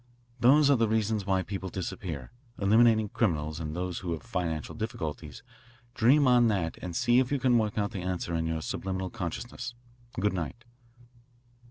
"Those are the reasons why people disappear, eliminating criminals and those who have financial difficulties. Dream on that and see if you can work out the answer in your subliminal consciousness. Good night."